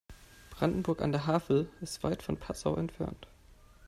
Brandenburg an der Havel ist weit von Passau entfernt